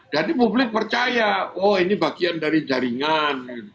jadi publik percaya oh ini bagian dari jaringan